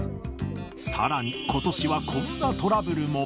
さらにことしはこんなトラブルも。